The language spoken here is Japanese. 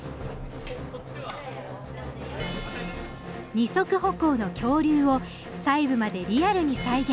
二足歩行の恐竜を細部までリアルに再現。